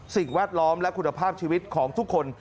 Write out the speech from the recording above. แวดล้อมและคุณภาพชีวิตของทุกคน